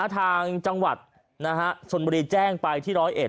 ทางจังหวัดสนบรีแจ้งไปที่๑๐๑